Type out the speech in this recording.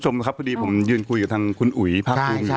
สวัสดีครับ